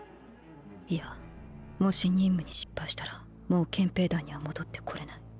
いやもし任務に失敗したらもう憲兵団には戻ってこれない。